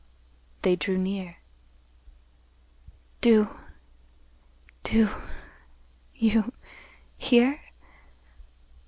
They drew near. "Do—do—you—hear?